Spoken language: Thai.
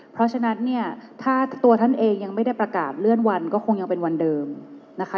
เพราะฉะนั้นเนี่ยถ้าตัวท่านเองยังไม่ได้ประกาศเลื่อนวันก็คงยังเป็นวันเดิมนะคะ